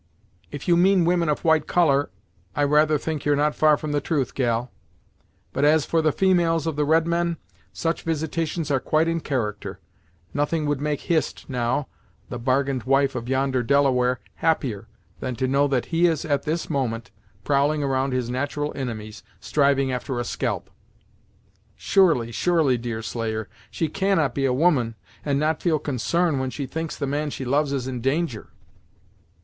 "If you mean women of white colour, I rather think you're not far from the truth, gal; but as for the females of the redmen, such visitations are quite in character. Nothing would make Hist, now, the bargained wife of yonder Delaware, happier than to know that he is at this moment prowling around his nat'ral inimies, striving after a scalp." "Surely, surely, Deerslayer, she cannot be a woman, and not feel concern when she thinks the man she loves is in danger!"